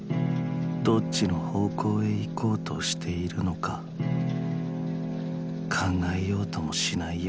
何方の方向へ行かうとしてゐるのか考へやうともしない